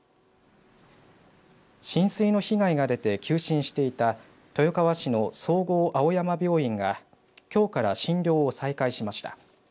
浸水の被害が出て休診していた豊川市の総合青山病院がきょうから診療を再開しました。